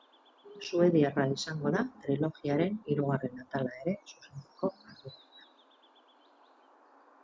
Suediarra izango da trilogiaren hirugarren atala ere zuzentzeko arduraduna.